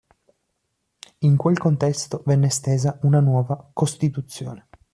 In quel contesto venne stesa una nuova costituzione.